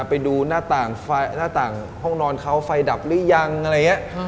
ไปดูหน้าต่างห้องนอนเขาไฟดับหรือยังอะไรอย่างเงี้ย